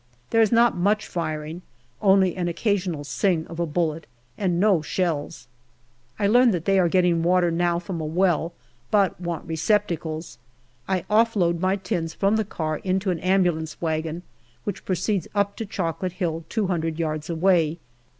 There is not much firing, only an occasional sing of a bullet and no shells. I learn that they are getting water now from a well, but want receptacles. I off load my tins from the car into an ambulance wagon, which proceeds up to Chocolate Hill, two hundred yards away.